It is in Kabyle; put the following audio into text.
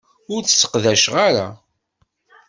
Ur t-sseqdacen ara.